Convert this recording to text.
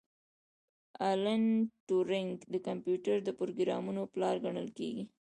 الن ټورینګ د کمپیوټر د پروګرامونې پلار ګڼل کیده